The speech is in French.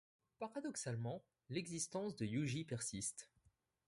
Paradoxalement, l'existence de Yûji persiste.